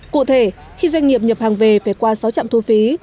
cụ thể khi doanh nghiệp nhập hàng về phải qua sáu trạm thu phí